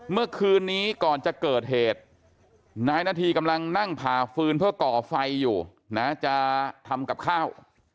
เมื่อคืนนี้ก่อนจะเกิดเหตุนายนาธีกำลังนั่งผ่าฟืนเพื่อก่อไฟอยู่นะจะทำกับข้าว